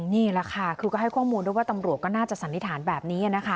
นี่แหละค่ะคือก็ให้ข้อมูลด้วยว่าตำรวจก็น่าจะสันนิษฐานแบบนี้นะคะ